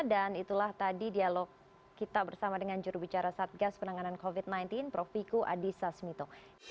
dan itulah tadi dialog kita bersama dengan jurubicara satgas penanganan covid sembilan belas prof fiku adhisa smito